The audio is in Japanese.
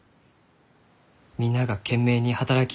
みんなが懸命に働き